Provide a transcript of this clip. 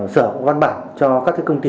sở cũng văn bản cho các công ty